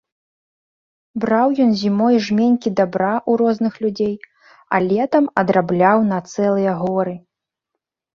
Браў ён зімой жменькі дабра ў розных людзей, а летам адрабляў на цэлыя горы.